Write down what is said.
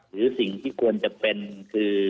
หรือสิ่งที่ควรจะเป็นคือ